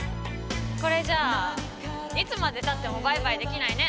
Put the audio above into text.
これじゃあいつまでたってもバイバイできないね。